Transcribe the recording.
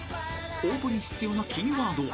［応募に必要なキーワードは］